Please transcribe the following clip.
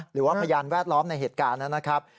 หรือว่าพยานแวดล้อมในเหตุการณ์นะครับ